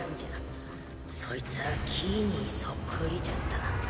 そいつは木にそっくりじゃった。